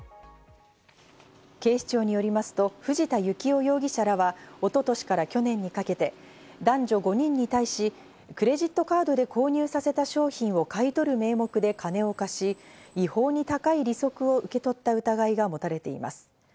警視庁よりますと、藤田幸夫容疑者らは一昨年から去年にかけて男女５人に対し、クレジットカードで購入させた商品を買い取る名目で金を貸し、違法に高い利息を受け取った疑いが持たれています。